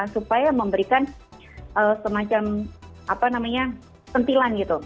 supaya memberikan semacam apa namanya sentilan gitu